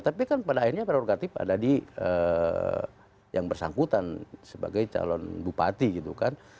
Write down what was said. tapi kan pada akhirnya prerogatif ada di yang bersangkutan sebagai calon bupati gitu kan